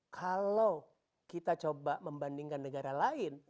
kalau kita coba membandingkan negara lain